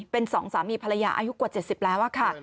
เป็นสองสามีภรรยาอายุกว่า๗๐แล้วค่ะ